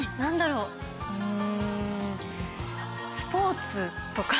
うん。